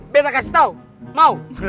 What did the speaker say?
beta kasih tau mau